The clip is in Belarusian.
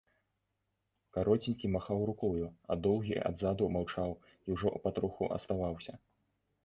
Кароценькі махаў рукою, а доўгі адзаду маўчаў і ўжо патроху аставаўся.